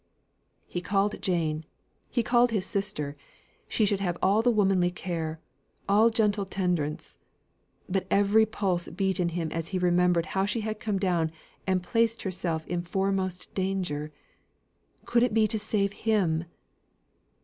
He called Jane; he called his sister. She should have all womanly care, all gentle tendance. But every pulse beat in him as he remembered how she had come down and placed herself in foremost danger could it be to save him?